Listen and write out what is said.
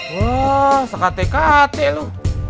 wah sekate kate lu